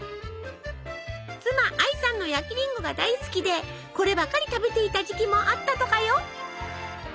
妻アイさんの焼きりんごが大好きでこればかり食べていた時期もあったとかよ。